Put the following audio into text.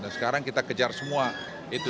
nah sekarang kita kejar semua itu